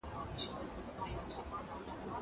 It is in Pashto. زه به اوږده موده موبایل کار کړی وم.